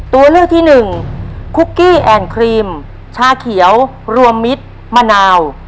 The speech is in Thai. ตัวเลือกที่หนึ่งคุกกี้แอนด์ครีมชาเขียวรวมมิตรมะนาว